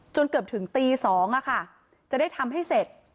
เกือบถึงตี๒จะได้ทำให้เสร็จ